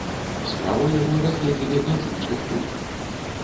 Справу яго разгледзелі надзвычай хутка.